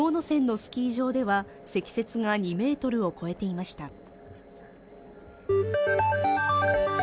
山のスキー場では積雪が２Ｍを超えていました